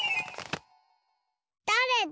だれだ？